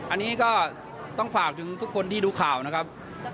อันนี้ก็ต้องฝากถึงทุกคนที่ดูข่าวนะครับ